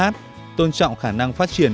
c tôn trọng khả năng phát triển